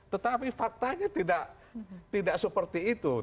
tetapi faktanya tidak seperti itu